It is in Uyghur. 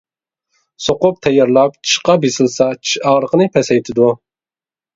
سوقۇپ تەييارلاپ چىشقا بېسىلسا چىش ئاغرىقىنى پەسەيتىدۇ.